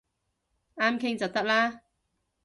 啱傾就得啦